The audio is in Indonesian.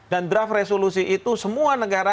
dan draft resolusi itu semua niara